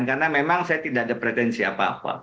karena memang saya tidak ada pretensi apa apa